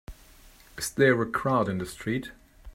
Is there a crowd in the street?